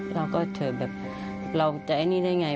แล้วก็เธอแบบเราจะให้นี่ได้ไง